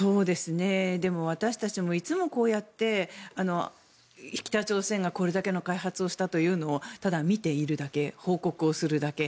でも、私たちもいつもこうやって北朝鮮がこれだけの開発をしたというのをただ見ているだけ報告をするだけ。